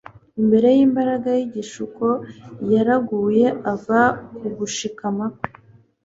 imbere y'imbaraga y'igishuko yaraguye ava ku gushikama kwe